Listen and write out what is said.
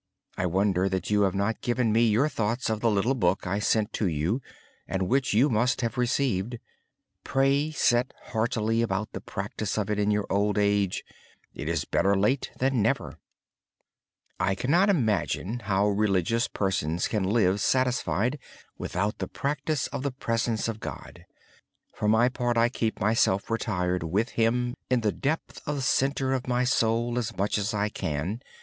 I wonder that you have not given me your thoughts on the little book I sent to you and which you must have received. Set heartily about the practice of it in your old age. It is better late than never. I cannot imagine how religious persons can live satisfied without the practice of the presence of God. For my part I keep myself retired with Him in the depth and center of my soul as much as I can.